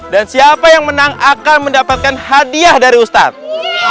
dan siapa yang menang akan mendapatkan hadiah dari ustadz